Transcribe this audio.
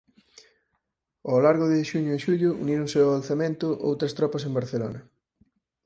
Ao largo de xuño e xullo uníronse ao alzamento outras tropas en Barcelona.